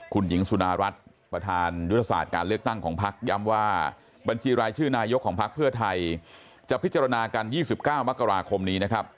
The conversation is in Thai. คุณหญิงสุดารัฐประธานยุทธศาสตร์การเลือกตั้งของพักย้ำว่าบัญชีรายชื่อนายกของพักเพื่อไทยจะพิจารณากัน๒๙มกราคมนี้นะครับ